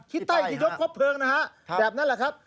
ใต้ที่ยกครบเพลิงนะฮะแบบนั้นแหละครับ